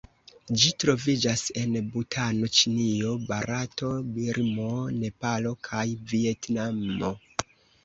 Ĝi troviĝas en Butano, Ĉinio, Barato, Birmo, Nepalo kaj Vjetnamo.